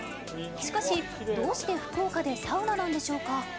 しかしどうして福岡でサウナなんでしょうか？